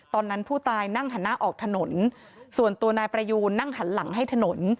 ตอนนั้นผู้ตายนั่งหันหน้าออกถนนส่วนตัวนายประยูนนั่งหันหลังให้ถนน